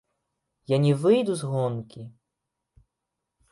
Я не выйду з гонкі.